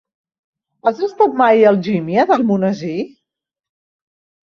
Has estat mai a Algímia d'Almonesir?